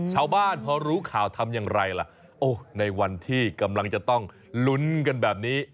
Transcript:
ชาวบ้านพอรู้ข่าวทำอย่างไรล่ะโอ้ในวันที่กำลังจะต้องลุ้นกันแบบนี้